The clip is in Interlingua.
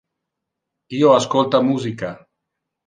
Io ascolta musica.